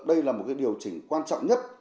đây là một điều chỉnh quan trọng nhất